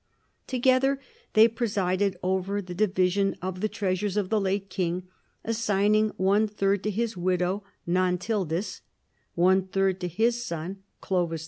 Together they presided over the division of the treasures of the late king, assigning one third to his widow, Nantildis; one third to his son, Clovis II.